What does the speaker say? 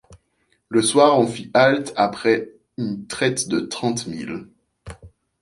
Le soir, on fit halte après une traite de trente milles.